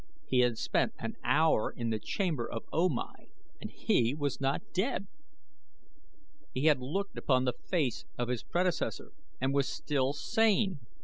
He had spent an hour in the chamber of O Mai and he was not dead! He had looked upon the face of his predecessor and was still sane!